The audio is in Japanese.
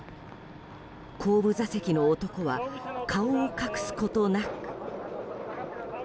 後部座席の男は顔を隠すことなく。